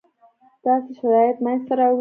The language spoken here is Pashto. داسې شرایط منځته راوړو.